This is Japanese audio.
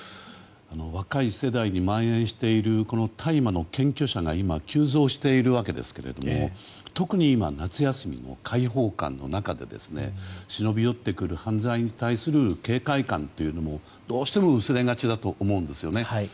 若い世代に蔓延しているこの大麻の検挙者が今、急増しているわけですが特に今、夏休みの開放感の中で忍び寄ってくる犯罪に対する警戒感というのもどうしても薄れがちだと思うんですよね。